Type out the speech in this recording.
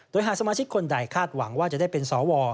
โดยหากสมาชิกคนใดคาดหวังว่าจะได้เป็นสว